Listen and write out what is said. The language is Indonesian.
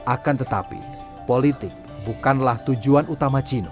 akan tetapi politik bukanlah tujuan utama cino